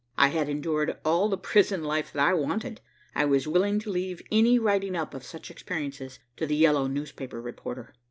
I had endured all the prison life that I wanted. I was willing to leave any writing up of such experiences to the yellow newspaper reporter.